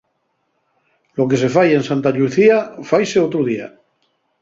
Lo que se fai en Santa Llucía faise otru día.